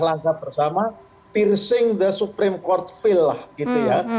langkah bersama piercing the supreme court fil lah gitu ya